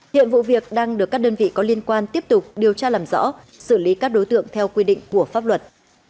hiện vụ việc đang được các đơn vị có liên quan tiếp tục điều tra làm rõ xử lý các đối tượng theo quy định của pháp luật